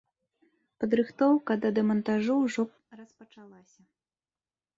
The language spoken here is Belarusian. Падрыхтоўка да дэмантажу ўжо распачалася.